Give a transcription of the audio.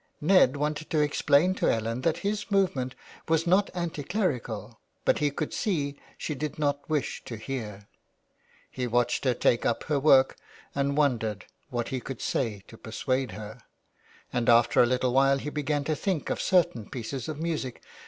Ned wanted to explain to Ellen that his movement was not anti clerical, but he could see she did not wish to hear. He watched her take up her work and wondered what he could say to persuade her, and after a little while he began to think of certain pieces of music.